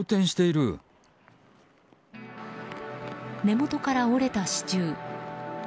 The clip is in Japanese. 根元から折れた支柱。